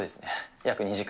約２時間。